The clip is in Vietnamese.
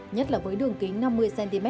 nhất là với đường kính năm mươi cm